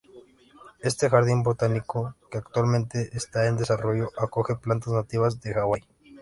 Este jardín botánico que actualmente está en desarrollo acoge plantas nativas de Hawái.